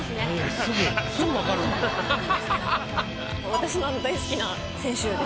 私の大好きな選手ですね。